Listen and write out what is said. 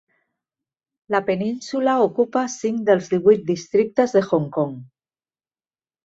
La península ocupa cinc dels divuit districtes de Hong Kong.